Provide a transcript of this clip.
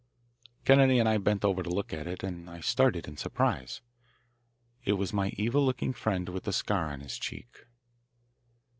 Kennedy and I bent over to look at it, and I started in surprise. It was my evil looking friend with the scar on his cheek.